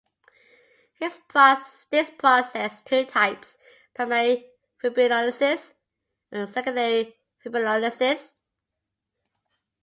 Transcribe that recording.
This process has two types: primary fibrinolysis and secondary fibrinolysis.